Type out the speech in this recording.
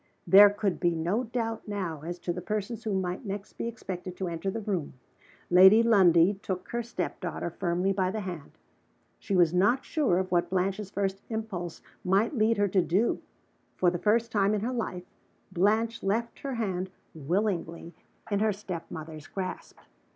There could be no doubt now as to the persons who might next be expected to enter the room. Lady Lundie took her step daughter firmly by the hand. She was not sure of what Blanche's first impulse might lead her to do. For the first time in her life, Blanche left her hand willingly in her step mother's grasp.